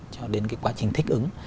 cho đến cái quá trình thích ứng